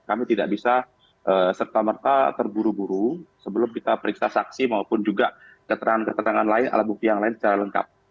kami tidak bisa serta merta terburu buru sebelum kita periksa saksi maupun juga keterangan keterangan lain alat bukti yang lain secara lengkap